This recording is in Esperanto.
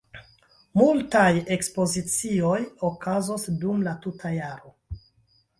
Multaj ekspozicioj okazos dum la tuta jaro.